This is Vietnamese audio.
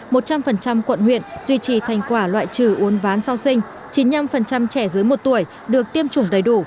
một trăm linh quận huyện duy trì thành quả loại trừ uốn ván sau sinh chín mươi năm trẻ dưới một tuổi được tiêm chủng đầy đủ